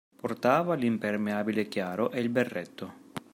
Portava l’impermeabile chiaro e il berretto.